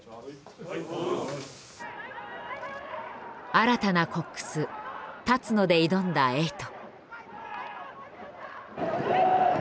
新たなコックス立野で挑んだエイト。